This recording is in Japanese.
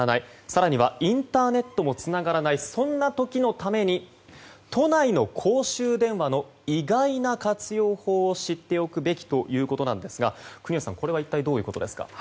更にはインターネットもつながらない、そんな時のために都内の公衆電話の意外な活用法を知っておくべきということなんですが国吉さん、これは一体どういうことですか。